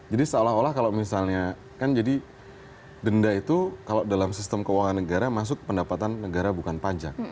jadi seolah olah kalau misalnya kan jadi denda itu kalau dalam sistem keuangan negara masuk pendapatan negara bukan pajak